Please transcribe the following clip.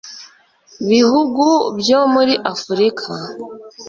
bihugu byo muri afurika